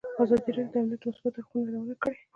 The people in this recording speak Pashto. ازادي راډیو د امنیت د مثبتو اړخونو یادونه کړې.